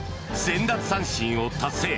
奪三振を達成。